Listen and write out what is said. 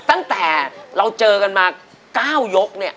ตั้งแต่เราเจอกันมา๙ยกเนี่ย